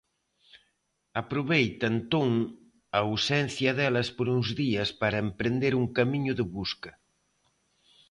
Aproveita, entón, a ausencia delas por uns días para emprender un camiño de busca.